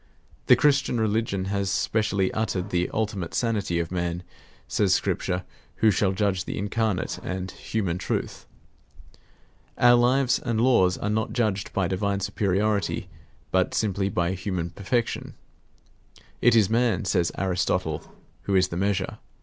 The Christian religion has specially uttered the ultimate sanity of Man, says Scripture, who shall judge the incarnate and human truth. Our lives and laws are not judged by divine superiority, but simply by human perfection. It is man, says Aristotle, who is the measure.